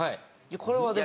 これはでも。